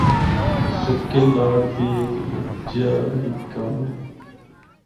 ’سکے لاڈ‘ بھی ہک ہجیا ای کم اے۔